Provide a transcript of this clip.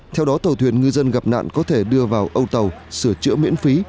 theo đó tàu thuyền ngư dân gặp nạn có thể đưa vào âu tàu sửa chữa miễn phí